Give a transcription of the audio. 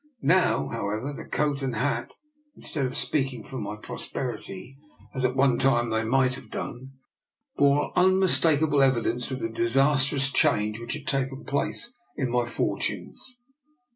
Now, however, the coat and hat, instead of speaking for my prosperity, as at one time they might have done, bore unmistakable evidence of the disastrous change which had taken place in my for tunes.